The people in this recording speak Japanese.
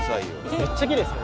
めっちゃきれいですよね。